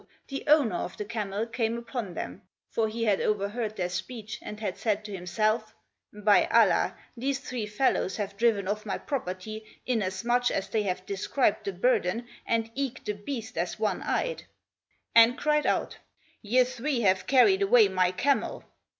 the owner of the camel came upon THE HISTORY OF MYSTERY 23 them (for he had overheard their speech and had said to himself, "By Allah, these three fellows have driven off my property, inas much as they have described the biirden and eke the beast as one eyed")* and cried out, "Ye three have carried away my camel!'